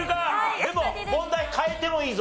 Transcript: でも問題変えてもいいぞ。